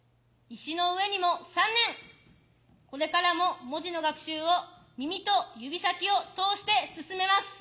これからも文字の学習を耳と指先を通して進めます。